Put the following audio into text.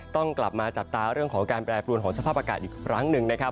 ต้องกลับมาจับตาเรื่องของการแปรปรวนของสภาพอากาศอีกครั้งหนึ่งนะครับ